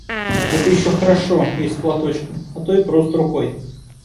Это еще хорошо, если платочком, а то и просто рукой.